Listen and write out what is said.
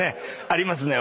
ありますね